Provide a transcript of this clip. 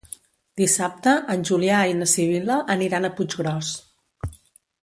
Dissabte en Julià i na Sibil·la aniran a Puiggròs.